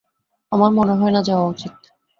আমার মনে হয় না যাওয়া উচিত।